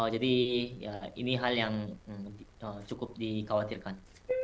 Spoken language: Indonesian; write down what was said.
jadi ini hal yang cukup dikhawatirkan